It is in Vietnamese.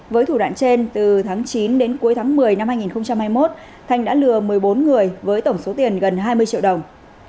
với thủ đoạn trên từ tháng chín đến cuối tháng một mươi năm hai nghìn hai mươi một thanh đã lừa một mươi bốn người với tổng số tiền gần hai mươi triệu đồng